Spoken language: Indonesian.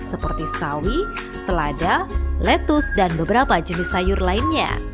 seperti sawi selada letus dan beberapa jenis sayur lainnya